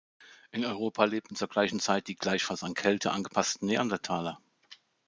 In Europa lebten zur gleichen Zeit die gleichfalls an Kälte angepassten Neandertaler.